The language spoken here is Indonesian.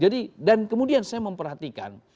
dan kemudian saya memperhatikan